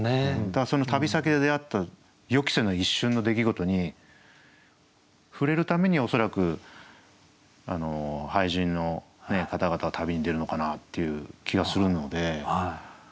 だからその旅先で出会った予期せぬ一瞬の出来事に触れるために恐らく俳人の方々は旅に出るのかなっていう気がするので。